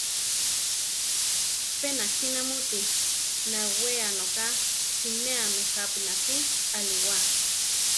Pe nakí namúti, nawéa noka; sinéami jápi náki alíwa.